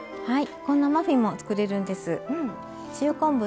こんなマフィンも作れるんです。